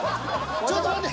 ちょっと待って。